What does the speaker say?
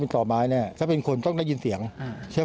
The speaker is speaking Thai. เพราะว่าเป็นสาวพวกขอลอยน้ำ